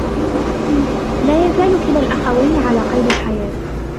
لا يزال كلا الأخوين على قيد الحياة.